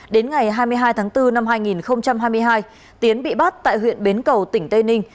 đến ngày hai mươi hai tháng bốn năm hai nghìn hai mươi hai tiến bị bắt tại huyện bến cầu tỉnh tây ninh